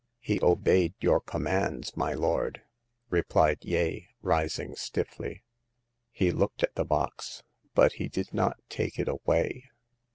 " He obeyed your commands, my lord," re plied Yeh, rising stiffly ;" he looked at the box, but he did not take it away."